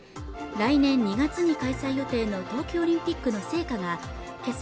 来年２月に開催予定の冬季オリンピックの聖火がけさ